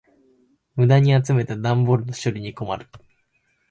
無駄に集めた段ボールの処理に困る。